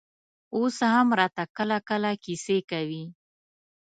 اوس هم راته کله کله کيسې کوي.